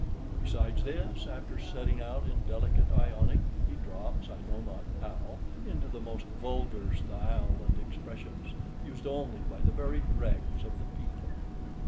Besides this, after setting out in delicate Ionic, he drops, I know not how, into the most vulgar style and expressions, used only by the very dregs of the people.